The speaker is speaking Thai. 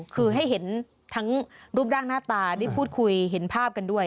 คือให้เห็นทั้งรูปร่างหน้าตาได้พูดคุยเห็นภาพกันด้วย